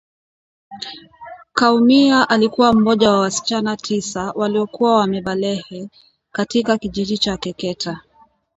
Kaumia alikuwa mmoja wa wasichana tisa waliokuwa wamebaleghe katika kijiji cha Keketa